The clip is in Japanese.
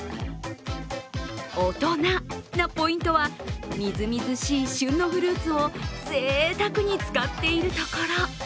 大人なポイントはみずみずしい旬のフルーツをぜいたくに使っているところ。